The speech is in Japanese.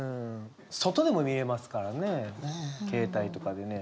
外でも見れますからね携帯とかでね。